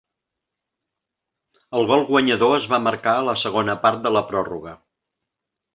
El gol guanyador es va marcar a la segona part de la pròrroga.